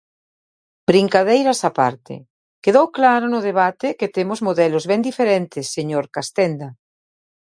Brincadeiras á parte, quedou claro no debate que temos modelos ben diferentes, señor Castenda.